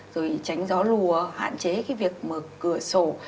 rồi tránh gió lùa hạn chế cái việc mở cửa sổ